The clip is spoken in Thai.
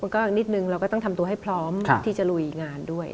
ก็นิดนึงเราก็ต้องทำตัวให้พร้อมที่จะลุยงานด้วย